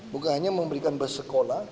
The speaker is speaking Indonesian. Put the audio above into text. bukan hanya memberikan bersekolah